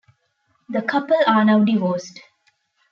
The couple are now divorced.